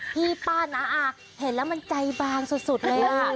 พี่ป้าน้าอาเห็นแล้วมันใจบางสุดเลยอ่ะ